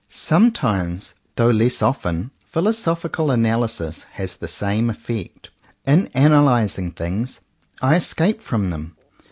Sometimes, though less often, philosoph ical analysis has the same effect. In analyzing things, I escape from them.